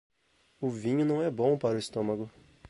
O vinho não é bom para o estômago.